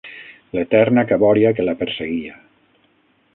L'eterna cabòria que la perseguia.